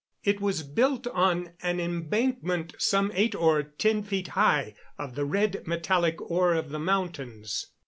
It was built on an embankment some eight or ten feet high, of the red, metallic ore of the mountains.